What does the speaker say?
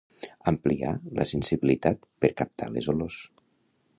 Ampliar la sensibilitat per captar les olors.